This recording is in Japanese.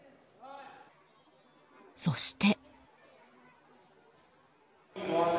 そして。